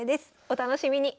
お楽しみに。